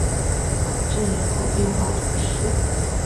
朗镇人口变化图示